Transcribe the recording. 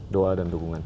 doa dan dukungan